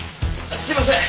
すいません。